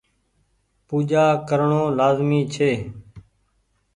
پوجآ ڪرڻو لآزمي ڇي۔